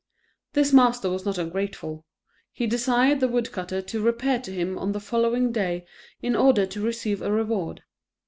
This master was not ungrateful; he desired the woodcutter to repair to him on the following day in order to receive a reward.